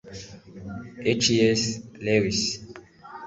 cs lewis